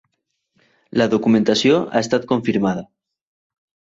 La documentació ha estat confirmada.